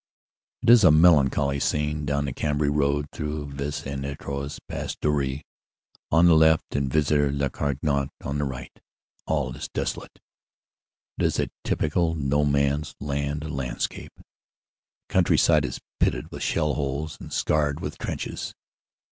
It is a melancholy scene. Down the Cambrai road through Vis en Artois, past Dury on the left and Villers lez Cagni court on the right, all is desolate. It is a typical No Man s Land landscape. The countryside is pitted with shell holes and scarred with trenches.